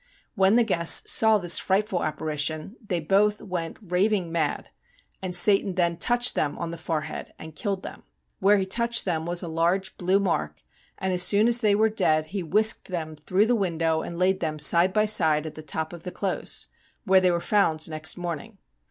When the guests saw this frightful appari tion they both went raving mad, and Satan then touched them on the forehead and killed them. Whore he touched them was a large blue mark, and as soon as they were dead ho whisked them through the window and laid them side by side at the top of the close, where they were found next morning.